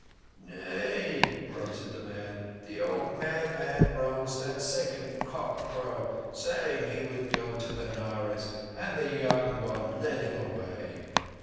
"Nay," grunted the man, "the old madman rose at second cockcrow saying he would go to Benares, and the young one led him away."